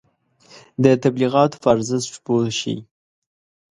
د تبلیغاتو په ارزښت پوه شئ.